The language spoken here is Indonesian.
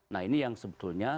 nah ini yang sebetulnya